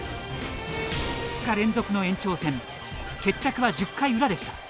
２日連続の延長戦決着は１０回裏でした。